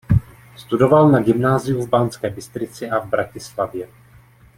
Studoval na gymnáziu v Banské Bystrici a v Bratislavě.